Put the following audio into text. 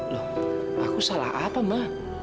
loh aku salah apa mak